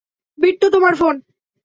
বিট্টো, তোমার ফোন।